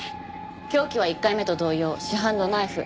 凶器は１回目と同様市販のナイフ。